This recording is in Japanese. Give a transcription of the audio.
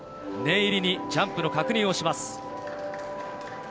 念入りにジャンプの確認をします。